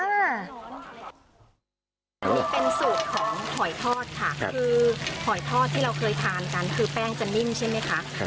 อันนี้เป็นสูตรของหอยทอดค่ะคือหอยทอดที่เราเคยทานกันคือแป้งจะนิ่มใช่ไหมคะ